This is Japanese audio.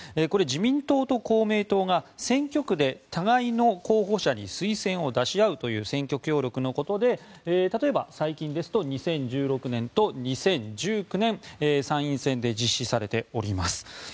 これ、自民党と公明党が選挙区で互いの候補者に推薦を出し合うという選挙協力のことで例えば最近ですと２０１６年と２０１９年参院選で実施されております。